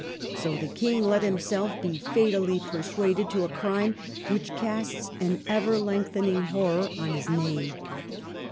So the King let himself be fatally persuaded to a crime which casts an ever lengthening horror on his name.